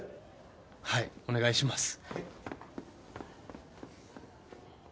はいお願いします。